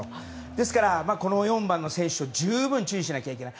ですから、この４番の選手十分に注意しないといけない。